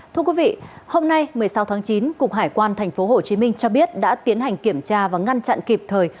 thưa quý vị hôm nay một mươi sáu tháng chín cục hải quan tp hcm cho biết đã tiến hành kiểm tra và ngăn chặn kịp thời